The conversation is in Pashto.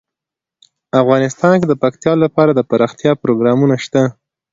افغانستان کې د پکتیا لپاره دپرمختیا پروګرامونه شته.